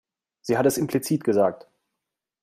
Sie hat es implizit gesagt.